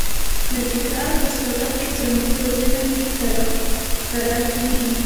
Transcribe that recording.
د تکرار په صورت کې زموږ په ذهن کې کرل کېږي.